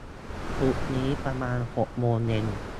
ศุกร์นี้ ประมาณหกโมงเย็น